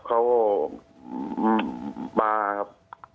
เขามาครับ